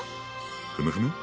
ふむふむ！